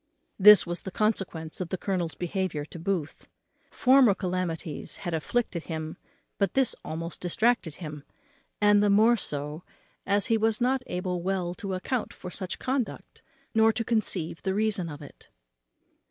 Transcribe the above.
This was the consequence of the colonel's behaviour to Booth. Former calamities had afflicted him, but this almost distracted him; and the more so as he was not able well to account for such conduct, nor to conceive the reason of it.